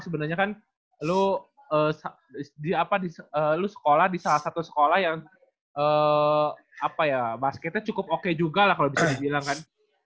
sebenarnya kan lo sekolah di salah satu sekolah yang basketnya cukup oke juga lah kalau bisa dibilang kan